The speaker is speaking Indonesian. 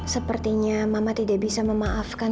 sepertinya mama tidak bisa memaafkan